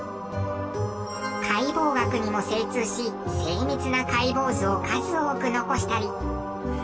解剖学にも精通し精密な解剖図を数多く残したり。